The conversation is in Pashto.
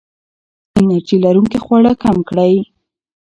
انرژي لرونکي خواړه کم کړئ.